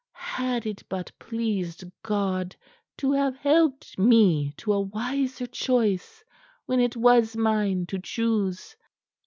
Had it but pleased God to have helped me to a wiser choice when it was mine to choose!"